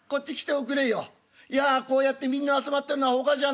いやこうやってみんな集まってんのはほかじゃないんだ。